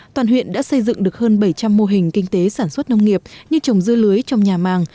toàn huyện đã xây dựng được hơn bảy trăm linh mô hình kinh tế sản xuất nông nghiệp như trồng dưa lưới trong nhà màng